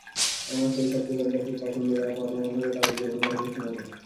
আমার সেই সব টিচারদের খুব পছন্দ যারা পড়ানো বন্ধ করে তাদের জীবন কাহিনী শুনাতো।